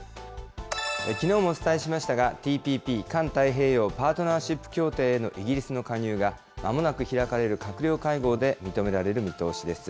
きのうもお伝えしましたが、ＴＰＰ・環太平洋パートナーシップ協定へのイギリスの加入がまもなく開かれる閣僚会合で認められる見通しです。